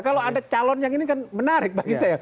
kalau ada calon yang ini kan menarik bagi saya